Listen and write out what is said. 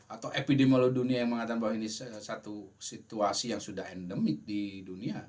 atau epidemiolog dunia yang mengatakan bahwa ini satu situasi yang sudah endemik di dunia